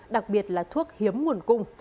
đặc biệt là thuốc hiếm nguồn cung